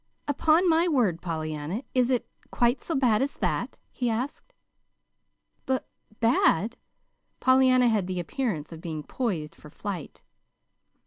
"Upon my word, Pollyanna, is it quite so bad as that?" he asked. "B bad?" Pollyanna had the appearance of being poised for flight.